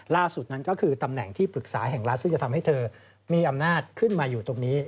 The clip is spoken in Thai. ล่าสุดนั้นก็คือตำแหน่งที่ปรึกษาแห่งรัฐซึ่งจะทำให้เธอมีอำนาจขึ้นมาอยู่ตรงนี้